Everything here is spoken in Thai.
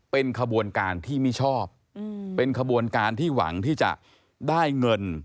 เป็นขบวนการที่ไม่ชอบเป็นขบวนการที่หวังที่จะได้เงิน